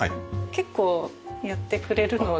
結構やってくれるので。